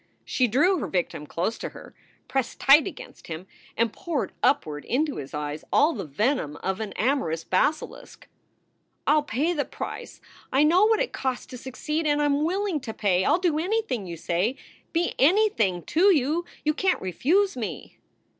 She drew her victim close to her, pressed tight against him, and poured upward into his eyes all the venom of an amorous basilisk. "I ll pay the Price. I know what it costs to succeed, and I m willing to pay. I ll do anything you say, be anything to you. You can t refuse me."